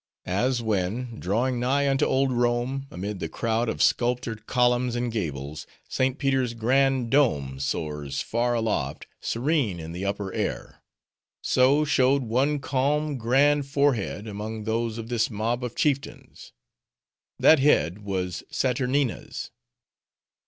As when, drawing nigh unto old Rome, amid the crowd of sculptured columns and gables, St. Peter's grand dome soars far aloft, serene in the upper air; so, showed one calm grand forehead among those of this mob of chieftains. That head was Saturnina's.